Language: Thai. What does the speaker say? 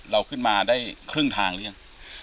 เราขึ้นมาได้ครึ่งทางหรือยัง